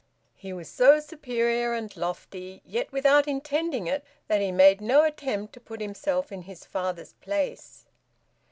He was so superior and lofty, yet without intending it, that he made no attempt to put himself in his father's place.